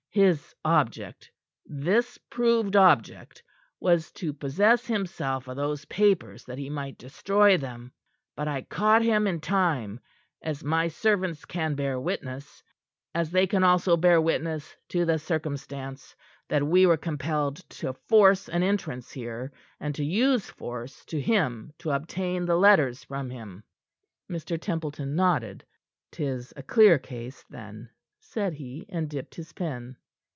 His object this proved object was to possess himself of those papers that he might destroy them. I but caught him in time, as my servants can bear witness, as they can also bear witness to the circumstance that we were compelled to force an entrance here, and to use force to him to obtain the letters from him." Mr. Templeton nodded. "'Tis a clear case, then," said he, and dipped his pen.